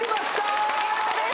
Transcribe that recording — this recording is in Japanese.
お見事です